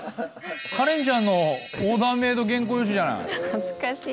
カレンちゃんのオーダーメード原稿用紙じゃない。